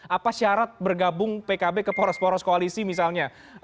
apa syarat bergabung pkb ke poros poros koalisi misalnya